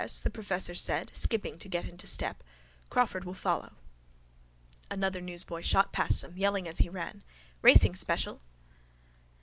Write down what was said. the professor said, skipping to get into step. Crawford will follow. Another newsboy shot past them, yelling as he ran: —Racing special!